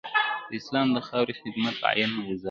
د اسلام د خاورې خدمت عین غزا ده.